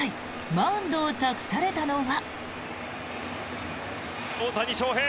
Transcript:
マウンドを託されたのは。